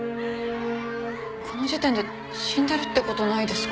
この時点で死んでるって事ないですか？